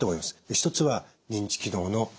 一つは認知機能の低下。